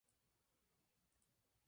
Su popularidad ha crecido año tras año.